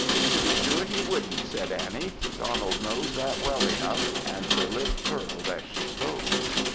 "To be sure, he wouldn't," said Annie; "Donald knows that well enough;" and her lip curled as she spoke!